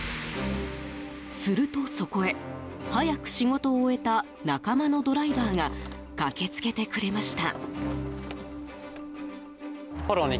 するとそこへ、早く仕事を終えた仲間のドライバーが駆けつけてくれました。